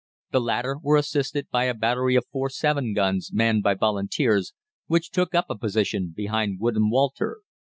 The latter were assisted by a battery of 4·7 guns manned by Volunteers, which took up a position behind Woodham Walter.